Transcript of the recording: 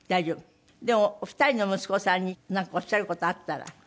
でも２人の息子さんになんかおっしゃる事あったら。